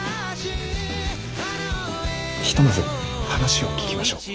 ひとまず話を聞きましょう。